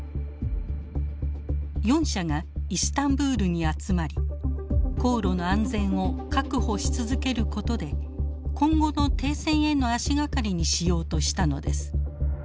４者がイスタンブールに集まり航路の安全を確保し続けることで今後の停戦への足掛かりにしようとしたのです。